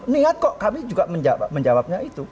niat kok kami juga menjawabnya itu